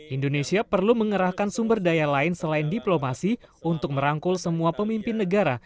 indonesia perlu mengerahkan sumber daya lain selain diplomasi untuk merangkul semua pemimpin negara